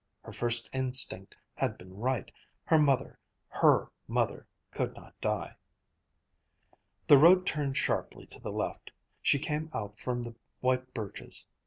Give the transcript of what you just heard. Her first instinct had been right. Her mother, her mother could not die. The road turned sharply to the left. She came out from the white birches.